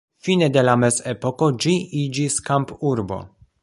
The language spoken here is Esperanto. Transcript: Fine de la mezepoko ĝi iĝis kampurbo.